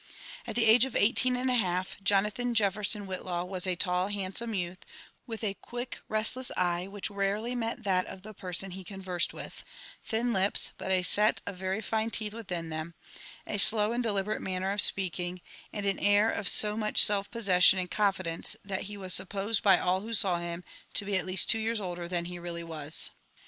At the age of eighteen and a half, Jonathan Jefferson Whitlaw was a tall handsome youth, with a quick restless eye which rarely met that of the person he conversed with — thin lips, but a set of very fine teeth within them^ a slow and deliberate manner of speaking^ ^od an air of so much self possession and confidence, that he was supposed by an who saw him to be at least two years older then he really was.